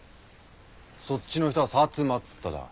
そっちの人は「摩」つっただ。